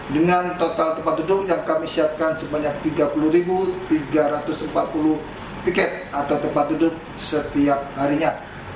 dengan total tempat duduk yang kami siapkan sebanyak tiga puluh tiga ratus empat puluh tiket atau tempat duduk setiap harinya